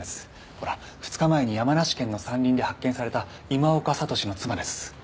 ほら２日前に山梨県の山林で発見された今岡智司の妻です。